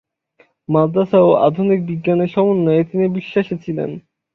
মাদ্রাসা ও আধুনিক বিজ্ঞানের সমন্বয়ে তিনি বিশ্বাসী ছিলেন।